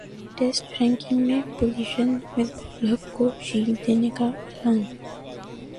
test ranking میں position Misbah ul Haq کو shield دینے کا اعلان